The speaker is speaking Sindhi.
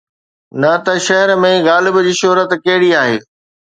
نه ته شهر ۾ غالب جي شهرت ڪهڙي آهي؟